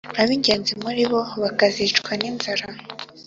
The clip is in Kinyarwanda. Ab’ingenzi muri bo bakazicwa n’inzara,